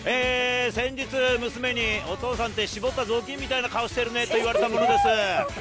先日、娘にお父さんって絞った雑巾みたいな顔してるねと言われたものです。